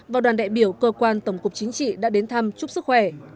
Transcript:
và đoàn đại biểu cơ quan tổng cục chính trị đã đến thăm chúc sức khỏe